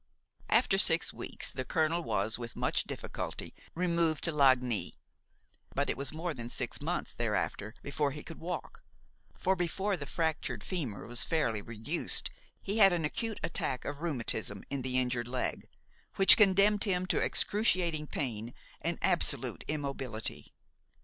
After six weeks the colonel was with much difficulty removed to Lagny; but it was more than six months thereafter before he could walk; for before the fractured femur was fairly reduced he had an acute attack of rheumatism in the injured leg, which condemned him to excruciating pain and absolute immobility.